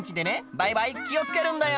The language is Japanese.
バイバイ気を付けるんだよ」